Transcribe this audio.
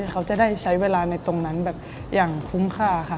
เขาจะได้ใช้เวลาในตรงนั้นแบบอย่างคุ้มค่าค่ะ